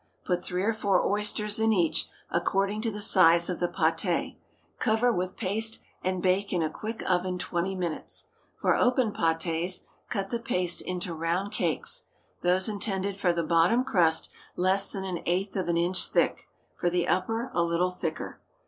Put three or four oysters in each, according to the size of the pâté; cover with paste and bake in a quick oven twenty minutes. For open pâtés, cut the paste into round cakes: those intended for the bottom crust less than an eighth of an inch thick; for the upper, a little thicker.